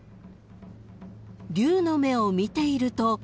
［龍の目を見ていると］